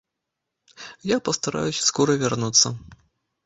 Я пастараюся скора вярнуцца.